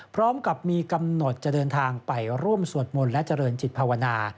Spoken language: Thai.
พร้อมกับมีกำหนดจะเดินทางไปร่วมสวดมนต์และเจริญจิตภาวนา